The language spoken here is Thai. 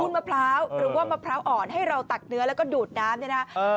มะพร้าวหรือว่ามะพร้าวอ่อนให้เราตักเนื้อแล้วก็ดูดน้ำเนี่ยนะ